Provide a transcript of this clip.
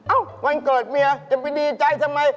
วันเกิดเมียจะไปดีใจทำไม